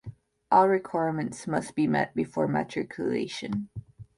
All requirements must be met before matriculation.